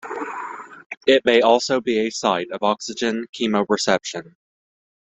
It may also be a site of oxygen chemoreception.